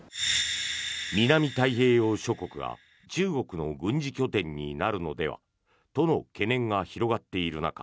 南太平洋諸国が中国の軍事拠点になるのではとの懸念が広がっている中